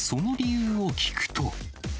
その理由を聞くと。